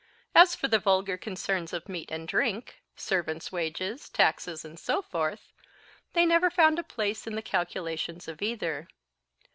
As for the vulgar concerns of meat and drink, servants' wages, taxes, and so forth, they never found a place in the calculations of either.